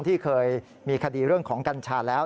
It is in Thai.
ที่เคยมีคดีเรื่องของกัญชาแล้ว